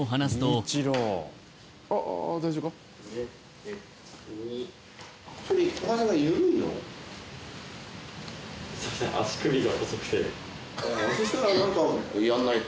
寿楽）そしたら何かやんないと。